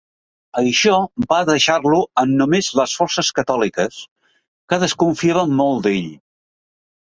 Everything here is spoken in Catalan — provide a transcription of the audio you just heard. Això va deixar-lo amb només les forces catòliques, que desconfiaven molt d'ell.